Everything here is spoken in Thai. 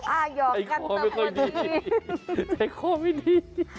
อ้าหยอกกันต่อมาดีแต่ข้อไม่ค่อยดี